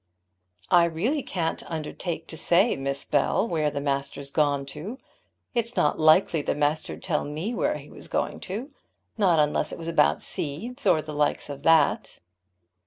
"I really can't undertake to say, Miss Bell, where the master's gone to. It's not likely the master'd tell me where he was going to; not unless it was about seeds, or the likes of that."